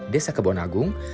desa kebun agung